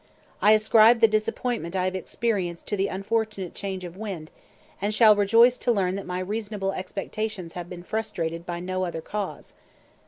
I ascribe the disappointment I have experienced to the unfortunate change of wind, and shall rejoice to learn that my reasonable expectations have been frustrated by no other cause.'